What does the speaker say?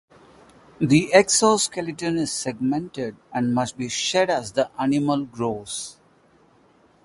The exoskeleton is segmented, and must be shed as the animal grows.